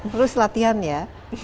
terus latihan ya